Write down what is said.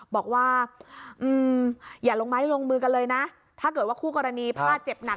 บอกว่าอย่าลงไม้ลงมือกันเลยนะถ้าเกิดว่าคู่กรณีพลาดเจ็บหนัก